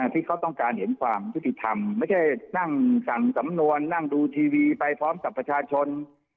ที่เขาต้องการเห็นความยุติธรรมไม่ใช่นั่งสั่งสำนวนนั่งดูทีวีไปพร้อมกับประชาชน